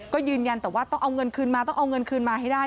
ก็ยืนยันแต่ว่าต้องเอาเงินคืนมาต้องเอาเงินคืนมาให้ได้